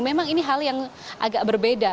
memang ini hal yang agak berbeda